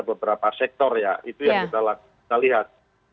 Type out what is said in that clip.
beberapa sektor ya itu yang kita lihat